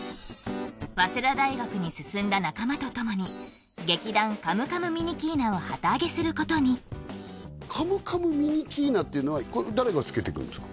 早稲田大学に進んだ仲間と共に劇団カムカムミニキーナを旗揚げすることにカムカムミニキーナっていうのは誰が付けていくんですか？